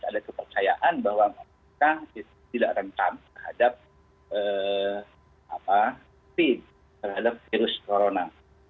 ada kepercayaan bahwa mereka tidak rentan terhadap virus corona